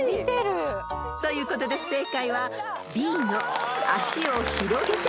［ということで正解は］